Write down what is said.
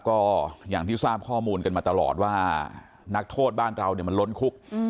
ก็อย่างที่ทราบข้อมูลกันมาตลอดว่านักโทษบ้านเราเนี่ยมันล้นคุก